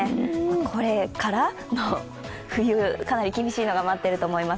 これからの冬、かなり厳しいのが待っていると思います。